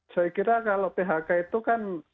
saya kira kalau phk itu kan